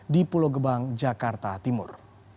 di pulau gebang jakarta timur